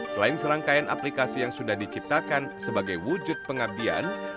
selain serangkaian aplikasi yang sudah diciptakan sebagai wujud pengabdian